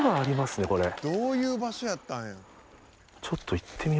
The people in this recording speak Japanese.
どういう場所やったんや？